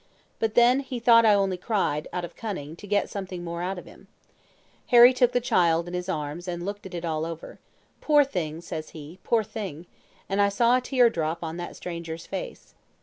But then he thought I only cried, out of cunning, to get something more out of him. Harry took the child in his arms and looked at it all over. 'Poor thing,' says he 'poor thing!' and I saw a tear drop on that stranger's face.